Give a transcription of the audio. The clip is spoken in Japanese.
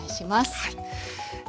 はい。